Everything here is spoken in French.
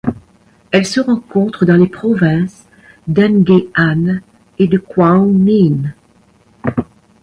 Elle se rencontre dans les provinces d'Nghệ An et de Quảng Ninh.